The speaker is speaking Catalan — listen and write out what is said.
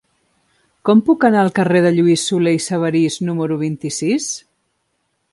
Com puc anar al carrer de Lluís Solé i Sabarís número vint-i-sis?